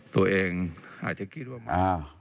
ตัวเองอาจจะคิดว่าอ้าว